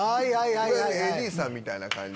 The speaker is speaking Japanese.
いわゆるＡＤさんみたいな感じ。